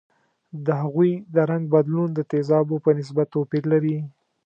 د هغوي د رنګ بدلون د تیزابو په نسبت توپیر لري.